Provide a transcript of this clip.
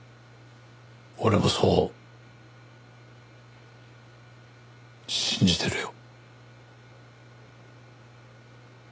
俺もそう信じてるよ。